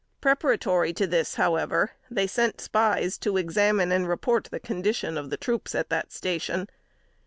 Preparatory to this, however, they sent spies to examine and report the condition of the troops at that station.